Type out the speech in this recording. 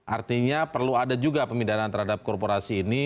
artinya perlu ada juga pemindahan terhadap korporasi ini